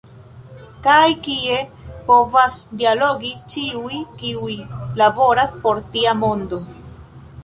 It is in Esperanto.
Kaj kie povas dialogi ĉiuj, kiuj laboras por tia mondo.